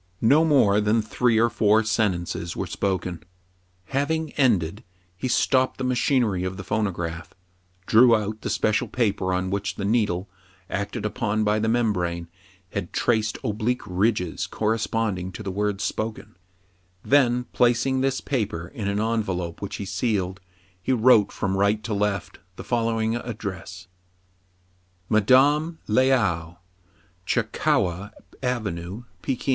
No more than three or four sentences were 48 TRIBULATIONS OF A CHINAMAN. spoken. Having ended, he stopped the machinery of the phonograph, drew out the special paper on which the needle, acted upon by the membrane, had traced oblique ridges corresponding to the words spoken ; then, placing this paper in an en velope which he sealed, he wrote from right to left the following address :— Madame Le ou, Cha Coua Avenue, PEKIN.